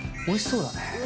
「おいしそう！」